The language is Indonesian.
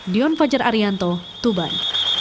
dion fajar arianto tuban